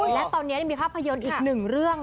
และตอนนี้ยังมีภาพยนตร์อีกหนึ่งเรื่อง